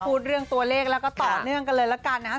พูดเรื่องตัวเลขแล้วก็ต่อเนื่องกันเลยละกันนะครับ